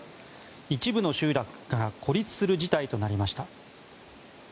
一部の集落が孤立する事態となりました。